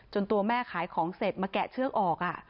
ตัวแม่ขายของเสร็จมาแกะเชือกออก